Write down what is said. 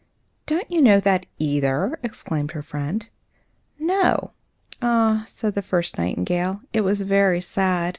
"Don't you know that, either?" exclaimed her friend. "No." "Ah!" said the first nightingale, "it was very sad.